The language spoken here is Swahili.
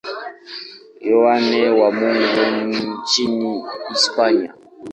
Yohane wa Mungu nchini Hispania.